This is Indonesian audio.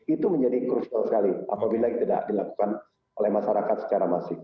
itu menjadi krusial sekali apabila yang tidak dilakukan oleh masyarakat secara masif